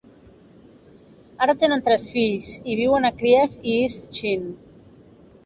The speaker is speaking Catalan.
Ara tenen tres fills i viuen a Crieff i East Sheen.